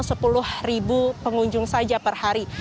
jadi itu pengunjung saja per hari